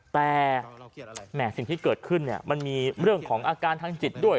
แต่สิ่งที่เกิดขึ้นมันมีเรื่องของอาการทางจิตด้วย